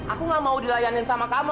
aku gak mau dilayanin sama kamu